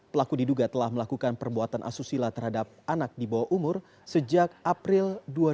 pelaku diduga telah melakukan perbuatan asusila terhadap anak di bawah umur sejak april dua ribu dua puluh